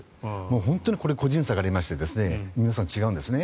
本当に個人差がありまして皆さん違うんですね。